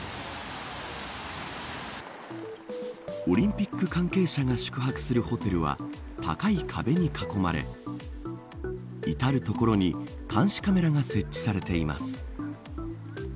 オリンピック関係者が宿泊するホテルは高い壁に囲まれ至る所に監視カメラが設置されています。